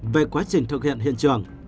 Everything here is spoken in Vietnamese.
về quá trình thực hiện hiện trường